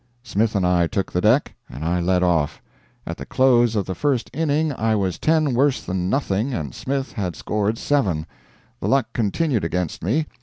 Smith and I took the deck, and I led off. At the close of the first inning I was 10 worse than nothing and Smith had scored 7. The luck continued against me.